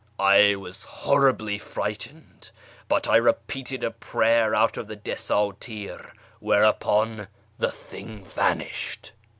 I was horribly frightened, but I repeated a prayer out of the Desdtir, whereupon the thing vanished.